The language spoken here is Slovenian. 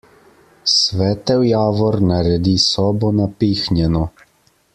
Svetel javor naredi sobo napihnjeno.